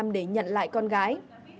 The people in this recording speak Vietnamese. để nhận lại con gái